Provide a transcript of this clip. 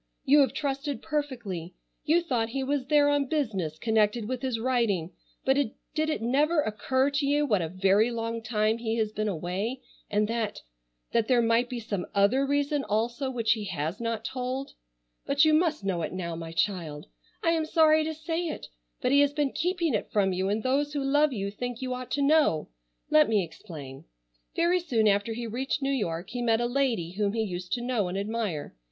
You have trusted perfectly. You thought he was there on business connected with his writing, but did it never occur to you what a very long time he has been away and that—that there might be some other reason also which he has not told? But you must know it now, my child. I am sorry to say it, but he has been keeping it from you, and those who love you think you ought to know. Let me explain. Very soon after he reached New York he met a lady whom he used to know and admire.